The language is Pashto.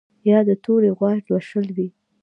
یا د تورې غوا لوشل وي